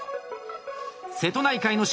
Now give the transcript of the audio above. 瀬戸内海の島